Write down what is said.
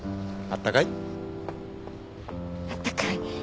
あったかい。